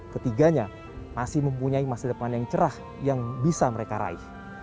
ketiganya masih mempunyai masa depan yang cerah yang bisa mereka raih